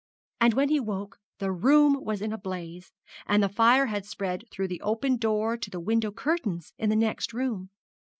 and when he woke the whole room was in a blaze, and the fire had spread through the open door to the window curtains in the next room.